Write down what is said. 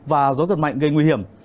và gió thật mạnh gây nguy hiểm